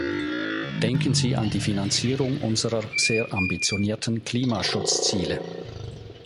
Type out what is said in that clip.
Denken Sie an die Finanzierung unserer sehr ambitionierten Klimaschutzziele.